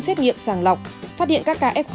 xét nghiệm sàng lọc phát hiện các kf